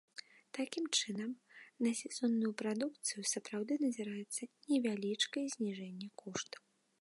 Такім чынам, на сезонную прадукцыю сапраўды назіраецца невялічкае зніжэнне коштаў.